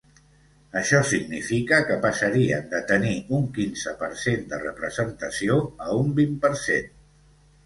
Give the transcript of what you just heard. Això significa que passarien de tenir un quinze per cent de representació a un vint per cent.